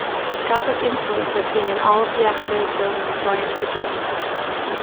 Gothic influence is seen in all of the academic buildings Bryant produced.